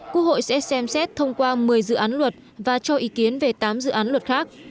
quốc hội sẽ xem xét thông qua một mươi dự án luật và cho ý kiến về tám dự án luật khác